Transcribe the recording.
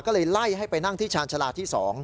ก็เลยไล่ให้ไปนั่งที่ชาญชาลาที่๒